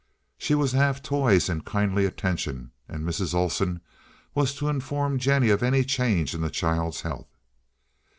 She was to have toys and kindly attention, and Mrs. Olsen was to inform Jennie of any change in the child's health.